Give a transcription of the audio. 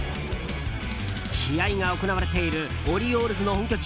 試合が行われているオリオールズの本拠地